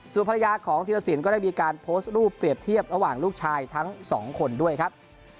ส่วนภรรยาของธีรสินก็ได้มีการโพสต์รูปเปรียบเทียบระหว่างลูกชายทั้งสองคนด้วยครับ